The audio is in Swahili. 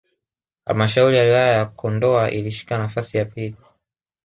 Halmshauri ya Wilaya ya Kondoa ilishika nafasi ya pili